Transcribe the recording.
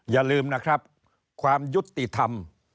อย่าลืมนะครับความยุติธรรม